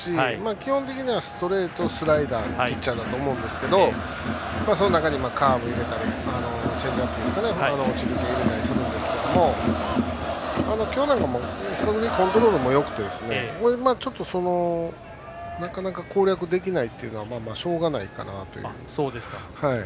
基本的にはストレート、スライダーのピッチャーだと思うんですがその中にカーブ入れたりとかチェンジアップとかの落ちる系を入れたりするんですが今日なんかコントロールもよくてちょっと、なかなか攻略できないのはしょうがないかなという。